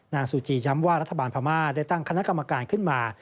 ซูจีย้ำว่ารัฐบาลพม่าได้ตั้งคณะกรรมการขึ้นมา